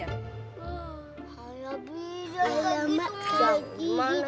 hanya bisa gitu lah